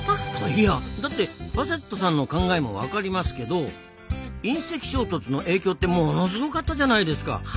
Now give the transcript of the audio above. いやだってファセットさんの考えも分かりますけど隕石衝突の影響ってものすごかったじゃないですか。